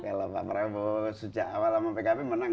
ya kalau pak prabowo sejak awal pkb menang